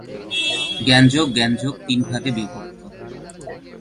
জ্ঞানযোগ জ্ঞানযোগ তিন ভাগে বিভক্ত।